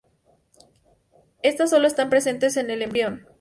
Estas solo están presentes en el embrión.